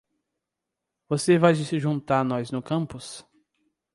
Você vai se juntar a nós no campus?